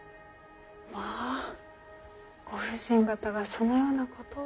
まぁご婦人方がそのようなことを。